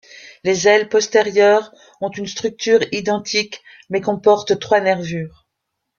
Les ailes postérieures ont une structure identique, mais comportent trois nervures.